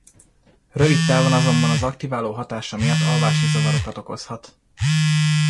Rövid távon azonban az aktiváló hatása miatt alvási zavarokat okozhat.